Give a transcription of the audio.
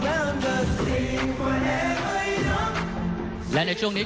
ท่านแรกครับจันทรุ่ม